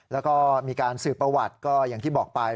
แล้วก็มีการสืบประวัติก็อย่างที่บอกไป